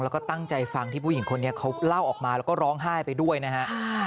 แล้วก็ตั้งใจฟังที่ผู้หญิงคนนี้เขาเล่าออกมาแล้วก็ร้องไห้ไปด้วยนะฮะ